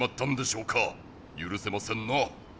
ゆるせませんな！